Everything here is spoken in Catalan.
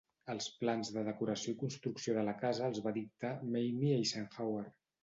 Els plans de decoració i construcció de la casa els va dictar Mamie Eisenhower.